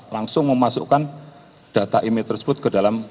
langsung memasukkan data imei tersebut ke dalam